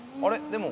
でも。